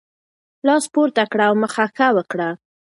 لاس پورته کړه او مخه ښه وکړه.